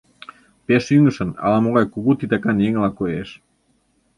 Пеш ӱҥышын, ала-могай кугу титакан еҥла коеш.